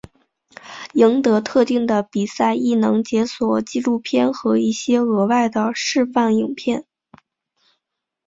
赢得特定的比赛亦能解锁纪录片和一些额外的示范影片。